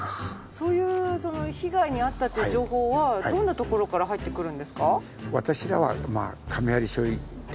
そういう被害に遭ったという情報はどんなところから入ってくるんですか？